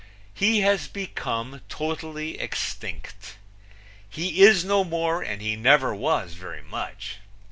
He has become totally extinct. He is no more and he never was very much.